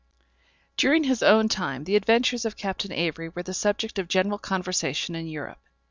_ During his own time the adventures of Captain Avery were the subject of general conversation in Europe.